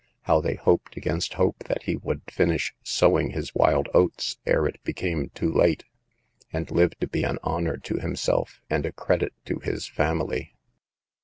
How they hoped against hope that he would finish " sowing his wild oats" ere it became too late, and live to be an honor to himself and a credit to his family